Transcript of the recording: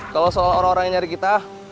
kalau seorang orang yang nyari kita